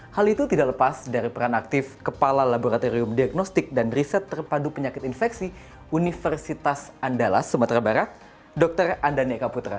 hal itu tidak lepas dari peran aktif kepala laboratorium diagnostik dan riset terpadu penyakit infeksi universitas andalas sumatera barat dr andaneka putra